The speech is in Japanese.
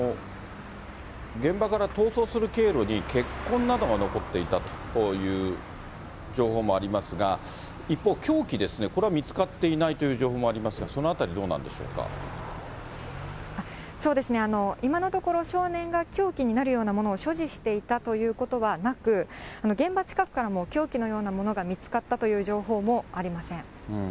現場から逃走する経路に、血痕などが残っていたという情報もありますが、一方、凶器ですね、これは見つかっていないという情報もありますが、そのあたり、ど今のところ、少年が凶器になるようなものを所持していたということはなく、現場近くからも、凶器のようなものが見つかったという情報もありません。